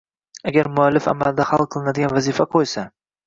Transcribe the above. Agar muallif amalda hal qilinadigan vazifa qo’ysa